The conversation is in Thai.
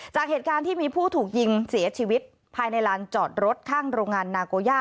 จากเหตุการณ์ที่มีผู้ถูกยิงเสียชีวิตภายในลานจอดรถข้างโรงงานนาโกย่า